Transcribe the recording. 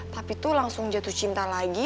tapi tuh langsung jatuh cinta lagi